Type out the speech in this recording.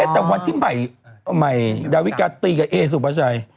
แต่วันที่ใหม่ดาวิกาตีกับเอสุภาชัย